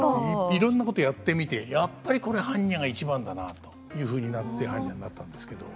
いろんなことやってみてやっぱりこれ般若が一番だなというふうになって般若になったんですけど。